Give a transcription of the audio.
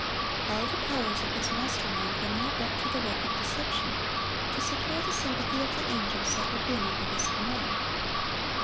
All the powers of his master mind were now bent to the work of deception, to secure the sympathy of the angels that had been under his command.